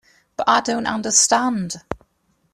But I don't understand.